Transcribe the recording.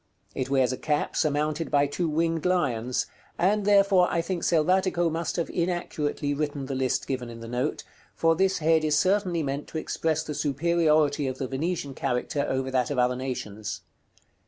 It wears a cap surmounted by two winged lions; and, therefore, I think Selvatico must have inaccurately written the list given in the note, for this head is certainly meant to express the superiority of the Venetian character over that of other nations.